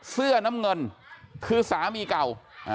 เสื้อน้ำเงินคือสามีเก่า